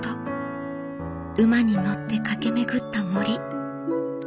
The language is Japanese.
馬に乗って駆け巡った森。